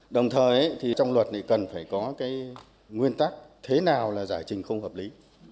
đồng thời thì trong luật này cần phải có cái nguyên tắc thế nào là giải trình không hợp lý